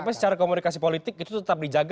tapi secara komunikasi politik itu tetap dijaga